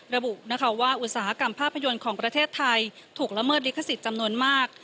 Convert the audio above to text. ระบุนะคะว่าอุตสาหกรรมภาพยนตร์ของประเทศไทยถูกละเมิดลิขสิทธิ์จำนวนมาก